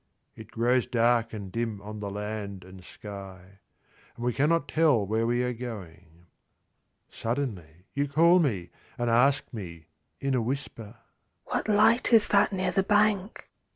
It grows dark and dim on the land and sky, and we cannot tell where we are going. Suddenly you call me and ask me in a whisper, "What light is that near the bank?"